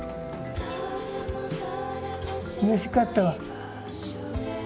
うれしかったわ。